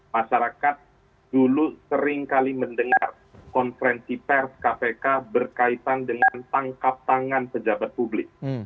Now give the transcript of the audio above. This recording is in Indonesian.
masyarakat dulu seringkali mendengar konferensi pers kpk berkaitan dengan tangkap tangan pejabat publik